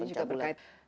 seksual dan pencabulan